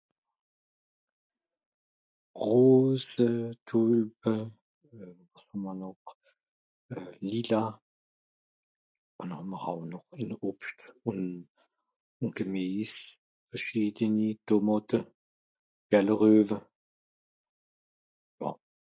Rose, Tulpe, wàs hàt m'r nooch? Lila, m'r hàn nooch e Obscht, un Gemies, verschiedeni Tomàte, gälrüewe, bon